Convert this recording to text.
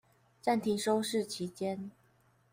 暫停收視期間